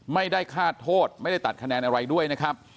ไม่ได้คาดโทษไม่ได้ตัดคะแนนอะไรด้วยนะครับ